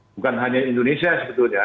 bukan hanya indonesia sebetulnya